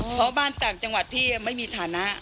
เพราะบ้านต่างจังหวัดพี่ไม่มีฐานะ